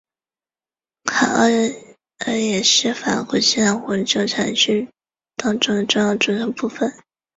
卡奥尔也是法国西南红酒产区当中的重要组成部分。